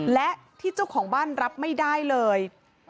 และที่เจ้าของบ้านรับไม่ได้เลย